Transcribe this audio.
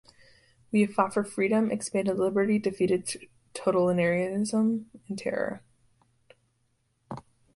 We have fought for freedom, expanded liberty, defeated totalitarianism and terror.